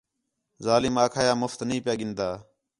ظالم آکھا ہے آں مُفت نہی پِیا گِھن٘دا